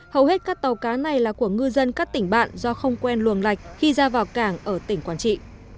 hầu hết các tàu cá này là của ngư dân các tỉnh bạn do không quen luồng lạch khi ra vào cảng ở tỉnh quảng trị